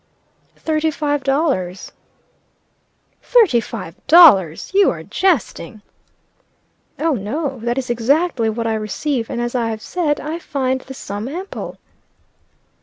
"Thirty five dollars." "Thirty five dollars! You are jesting." "Oh, no! That is exactly what I receive, and as I have said, I find the sum ample."